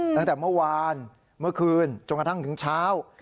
ตั้งแต่เมื่อวานเมื่อคืนจนกระทั่งถึงเช้า